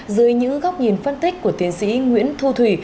dưới những góc nhìn phân tích của tiến sĩ nguyễn thu thủy